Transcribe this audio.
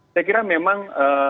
saya kira memang